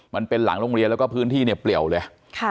มันเป็นหลังโรงเรียนแล้วก็พื้นที่เนี่ยเปลี่ยวเลย